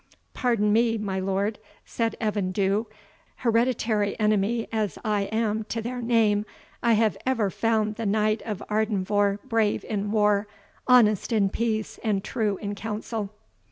"Pardon me, my lord," said Evan Dhu; "hereditary enemy as I am to their name, I have ever found the Knight of Ardenvohr brave in war, honest in peace, and true in council."